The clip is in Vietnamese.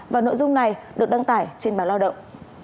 và nội dung này được đăng tải trên báo lao động